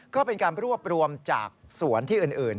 ก็เป็นการรวบรวมจากสวนที่อื่น